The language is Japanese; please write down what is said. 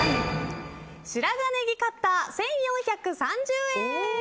白髪ねぎカッター、１４３０円！